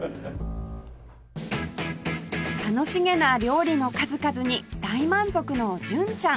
楽しげな料理の数々に大満足の純ちゃん